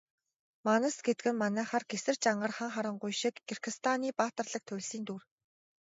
Манас гэдэг нь манайхаар Гэсэр, Жангар, Хан Харангуй шиг Киргизстаны баатарлаг туульсын дүр.